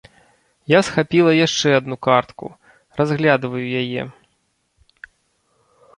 Я схапіла яшчэ адну картку, разглядваю яе.